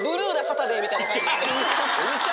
みたいな感じです。